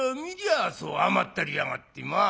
あそう甘ったれやがってまあ。